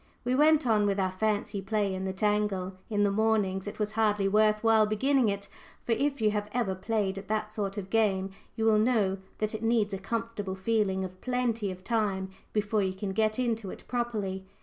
We went on with our fancy play in the tangle. In the mornings it was hardly worth while beginning it, for if you have ever played at that sort of game you will know that it needs a comfortable feeling of plenty of time before you can get into it properly.